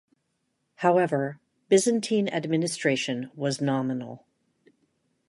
However, Byzantine administration was nominal.